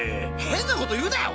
変なこと言うなよ。